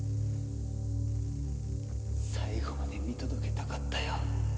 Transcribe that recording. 最期まで見届けたかったよ